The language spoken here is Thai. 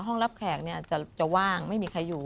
ห้องรับแขกเนี่ยอาจจะว่างไม่มีใครอยู่